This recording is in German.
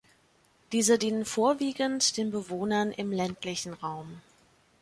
Diese dienen vorwiegend den Bewohnern im ländlichen Raum.